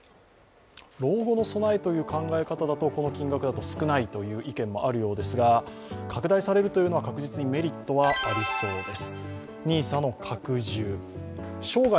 老後の備えという考え方だとこの金額だと少ないという意見もあるようですが拡大されるというのは確実にメリットはありそうです。